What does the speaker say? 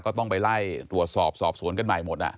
ก็ต้องไปไล่ตรวจสอบสอบสวนกันใหม่หมด